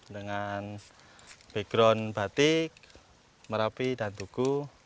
dengan background batik merapi dan tugu